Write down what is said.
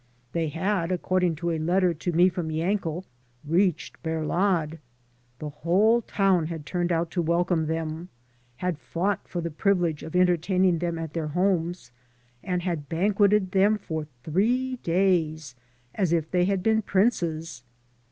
They had, according to a letter to me from Yankel, reached Berlad; the whole town had turned out to welcome them, had fought for the privilege of entertaining them at their homes, and had banqueted them for three days as if they had been princes.